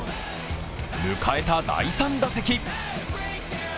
迎えた第３打席。